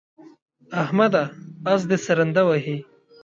احمده! اس دې سرنده وهي.